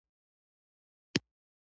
دا د دې لامل شو چې ښځه رهبره شي.